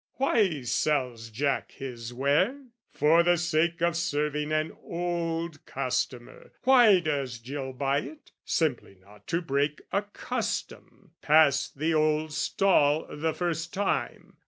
Why sells Jack his ware? "For the sake of serving an old customer." Why does Jill buy it? "Simply not to break "A custom, pass the old stall the first time."